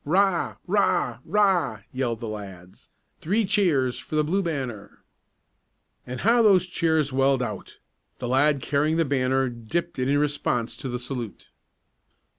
'Rah!" yelled the lads. "Three cheers for the Blue Banner!" And how those cheers welled out! The lad carrying the banner dipped it in response to the salute.